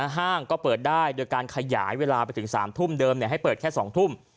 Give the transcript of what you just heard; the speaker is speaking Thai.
ห้างก็เปิดได้โดยการขยายเวลาไปถึง๓ทุ่มเดิมให้เปิดแค่๒ทุ่ม